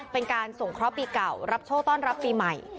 เป็นการส่งเคราะห์ปีเก่ารับโชคต้อนรับปีใหม่